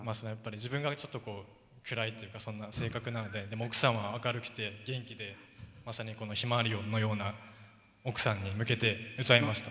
自分が暗いとかそんな性格なので奥さんは明るくて元気でまさに「ひまわり」のような奥さんに向けて歌いました。